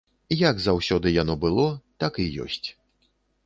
Як заўсёды яно было, так і ёсць.